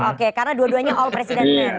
oke karena dua duanya all president men